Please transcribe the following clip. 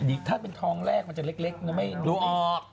อีกท่านเป็นท้องแรกมันจะเล็กดูออก